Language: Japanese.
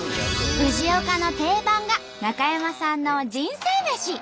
藤岡の定番が中山さんの人生めし！